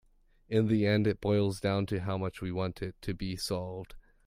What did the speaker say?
In the end it boils down to how much we want it to be solved.